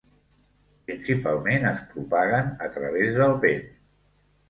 Principalment es propaguen a través del vent.